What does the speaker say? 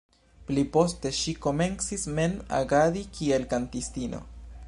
Pli poste ŝi komencis mem agadi kiel kantistino.